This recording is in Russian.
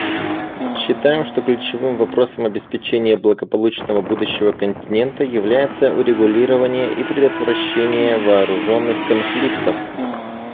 Считаем, что ключевым вопросом обеспечения благополучного будущего континента является урегулирование и предотвращение вооруженных конфликтов.